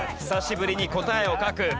久しぶりに答えを書く。